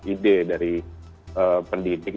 ide dari pendidik